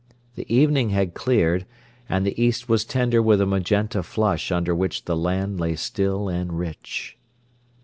The evening had cleared, and the east was tender with a magenta flush under which the land lay still and rich.